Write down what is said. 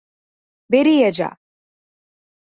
বেরিয়ে যা।